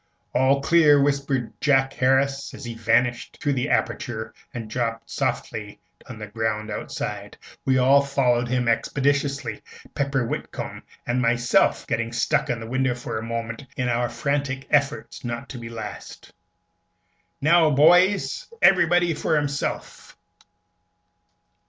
"All clear," whispered Jack Harris, as he vanished through the aperture and dropped softly on the ground outside. We all followed him expeditiously Pepper Whitcomb and myself getting stuck in the window for a moment in our frantic efforts not to be last. "Now, boys, everybody for himself!"